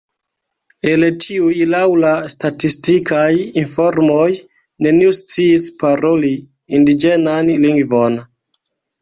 El tiuj laŭ la statistikaj informoj neniu sciis paroli indiĝenan lingvon.